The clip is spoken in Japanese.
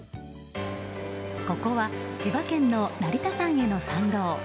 ここは千葉県の成田山への参道。